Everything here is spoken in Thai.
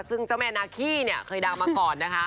ซึ่งเจ้าแม่นาขี้เนี่ยเคยดังมาก่อนนะคะ